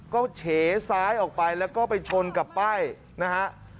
ก็เฉซ้ายออกไปแล้วก็ไปชนกับป้ายนะฮะ